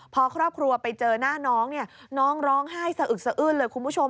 พอครอบครัวไปเจอหน้าน้องเนี่ยน้องน้องร้องไห้สะอึกสะอื้นเลยคุณผู้ชม